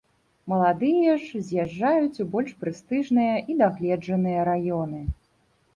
Маладыя ж з'язджаюць у больш прэстыжныя і дагледжаныя раёны.